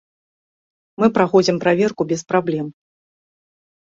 Мы праходзім праверку без праблем.